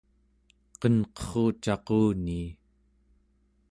qenqerrucaqunii